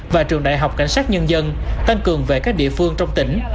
và trường đại học cảnh sát nhân dân tăng cường về các địa phương trong tỉnh